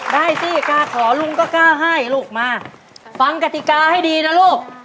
ได้สิกล้าขอลุงก็กล้าให้ลูกมาฟังกติกาให้ดีนะลูก